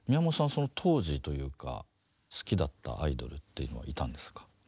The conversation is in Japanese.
その当時というか好きだったアイドルっていうのはいたんですか？